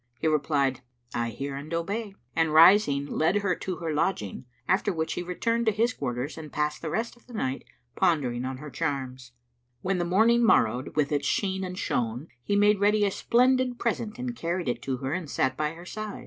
He replied, "I hear and obey," and rising led her to her lodging, after which he returned to his quarters[FN#343] and passed the rest of the night pondering on her charms. When the morning morrowed with its sheen and shone, he made ready a splendid present and carried it to her and sat by her side.